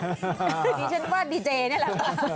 ดีเจนว่าดีเจย์นี่แหละ